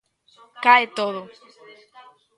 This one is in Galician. Cae todo.